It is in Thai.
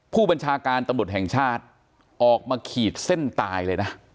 ผู้บัญชาการตำรวจแห่งชาติออกมาขีดเส้นตายเลยนะ